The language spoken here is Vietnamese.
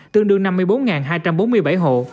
tương đương năm mươi bốn hai trăm bốn mươi bảy hộ